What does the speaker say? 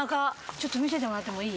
ちょっと見せてもらってもいい？